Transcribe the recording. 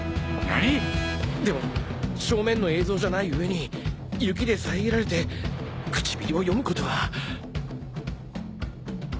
何⁉でも正面の映像じゃない上に雪で遮られて唇を読むことは。